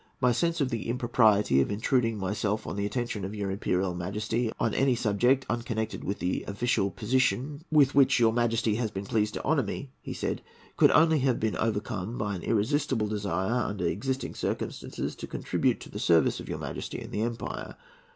"My sense of the impropriety of intruding myself on the attention of your Imperial Majesty on any subject unconnected with the official position with which your Majesty has been pleased to honour me," he said, "could only have been overcome by an irresistible desire, under existing circumstances, to contribute to the service of your Majesty, and the empire.